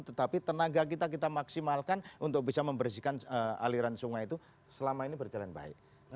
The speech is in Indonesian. tetapi tenaga kita kita maksimalkan untuk bisa membersihkan aliran sungai itu selama ini berjalan baik